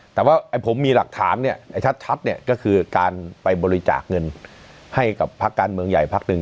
แต่ว่าไอ้ผมมีหลักฐานเนี่ยไอ้ชัดเนี่ยก็คือการไปบริจาคเงินให้กับพักการเมืองใหญ่พักหนึ่ง